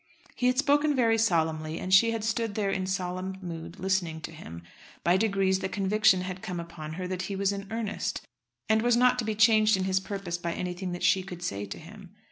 He had spoken very solemnly, and she had stood there in solemn mood listening to him. By degrees the conviction had come upon her that he was in earnest, and was not to be changed in his purpose by anything that she could say to him.